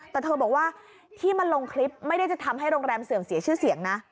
แต่เธอบอกว่าที่มาลงคลิปไม่ได้จะทำให้โรงแรมเสื่อมเสียชื่อเสียงนะ